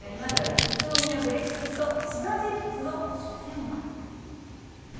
宇都宮ブレックスと千葉ジェッツの初戦は。